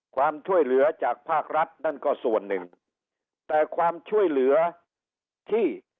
ความช่วยเหลือจากภาครัฐนั่นก็ส่วนหนึ่งแต่ความช่วยเหลือที่